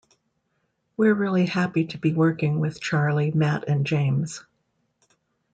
We're really happy to be working with Charlie, Matt and James.